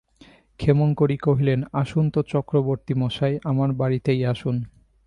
ক্ষেমংকরী কহিলেন, আসুন-না চক্রবর্তীমশায়, আমার বাড়িতেই আসুন।